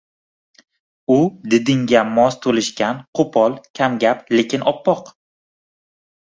U didingga mos to`lishgan, qo`pol, kamgap, lekin oppoq